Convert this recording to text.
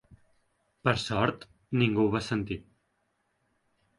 Per sort, ningú ho va sentir.